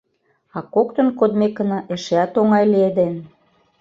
А коктын кодмекына эшеат оҥай лиеден.